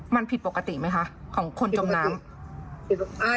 มันผิดปกติไหมคะของคนจมน้ำ